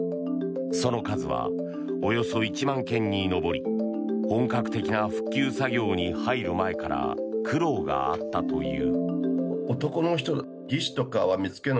その数はおよそ１万件に上り本格的な復旧作業に入る前から苦労があったという。